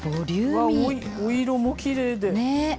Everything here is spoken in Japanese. お色がきれいで。